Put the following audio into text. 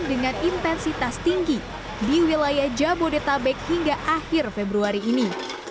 dengan intensitas tinggi di wilayah jabodetabek hingga akhir februari ini